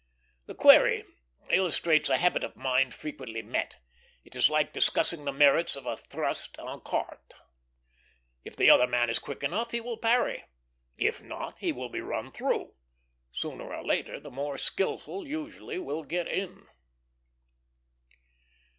The query illustrates a habit of mind frequently met. It is like discussing the merits of a thrust en carte. If the other man is quick enough, he will parry; if not, he will be run through: sooner or later the more skilful usually will get in.